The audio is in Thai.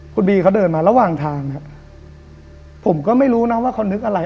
คุณบีเขาเดินมาระหว่างทางเนี่ยผมก็ไม่รู้นะว่าเขานึกอะไร